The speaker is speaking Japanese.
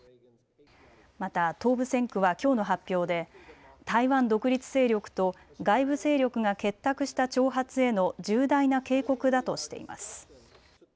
また東部戦区はきょうの発表で台湾独立勢力と外部勢力が結託した挑発への重大な警告だとしています。